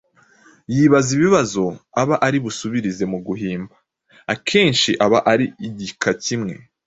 yibaza ibibazo aba ari busubirize mu gihimba. Akenshi aba ari igika kimwe.